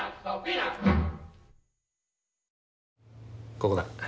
ここだ。